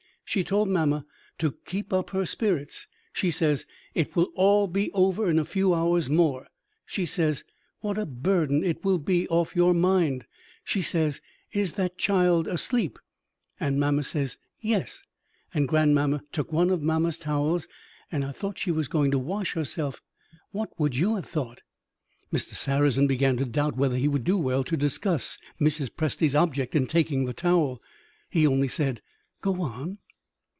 She told mamma to keep up her spirits. She says, 'It will all be over in a few hours more.' She says, 'What a burden it will be off your mind!' She says, 'Is that child asleep?' And mamma says, 'Yes.' And grandmamma took one of mamma's towels. And I thought she was going to wash herself. What would you have thought?" Mr. Sarrazin began to doubt whether he would do well to discuss Mrs. Presty's object in taking the towel. He only said, "Go on."